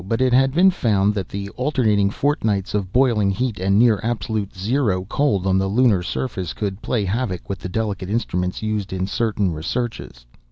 But it had been found that the alternating fortnights of boiling heat and near absolute zero cold on the lunar surface could play havoc with the delicate instruments used in certain researches.